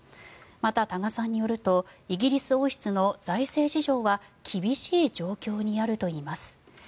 また、多賀さんによるとイギリス王室の財政事情は厳しい状況にあるといいます。